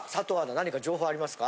何か情報ありますか？